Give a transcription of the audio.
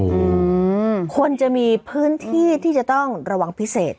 อืมควรจะมีพื้นที่ที่จะต้องระวังพิเศษ